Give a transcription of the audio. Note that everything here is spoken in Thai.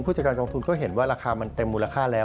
จากการกองทุนก็เห็นว่าราคามันเต็มมูลค่าแล้ว